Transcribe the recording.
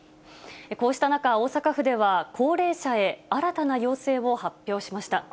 こうした中、大阪府では高齢者へ新たな要請を発表しました。